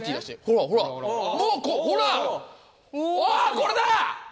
これだ！